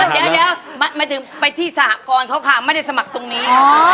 เดี๋ยวหมายถึงไปที่สหกรณ์เขาค่ะไม่ได้สมัครตรงนี้